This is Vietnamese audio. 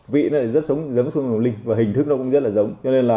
vị rất giống sâm ngọc linh và hình thức nó cũng rất giống